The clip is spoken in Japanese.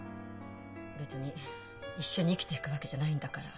別に一緒に生きていくわけじゃないんだから。